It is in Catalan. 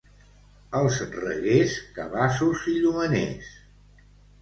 Als Reguers, cabassos i llumeners.